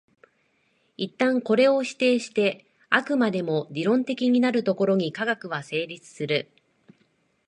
一旦これを否定して飽くまでも理論的になるところに科学は成立する。